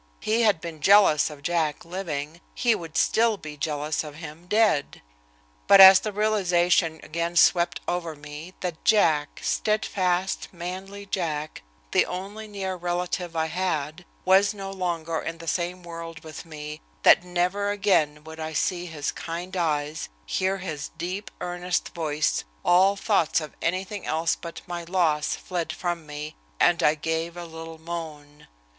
He had been jealous of Jack living, he would still be jealous of him dead! But as the realization again swept over me that Jack, steadfast, manly Jack, the only near relative I had, was no longer in the same world with me, that never again would I see his kind eyes, hear his deep, earnest voice, all thoughts of anything else but my loss fled from me, and I gave a little moan.